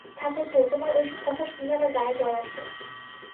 ঠাকুরপো, তোমার ঐ-সব কথা শুনলে আমার গায়ে জ্বর আসে।